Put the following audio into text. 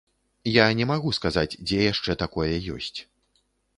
Я не магу сказаць, дзе яшчэ такое ёсць.